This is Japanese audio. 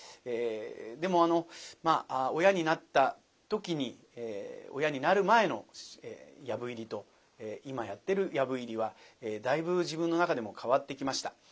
でも親になった時に親になる前の「藪入り」と今やってる「藪入り」はだいぶ自分の中でも変わってきました。